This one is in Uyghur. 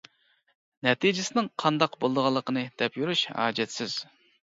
نەتىجىسىنىڭ قانداق بولىدىغانلىقىنى دەپ يۈرۈش ھاجەتسىز.